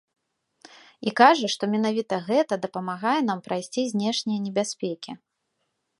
І кажа, што менавіта гэта дапамагае нам прайсці знешнія небяспекі.